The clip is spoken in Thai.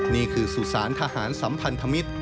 นี่คือสุสานทหารสัมพันธมิตร